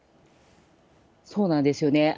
そうなんですよね。